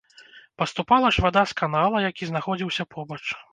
Паступала ж вада з канала, які знаходзіўся побач.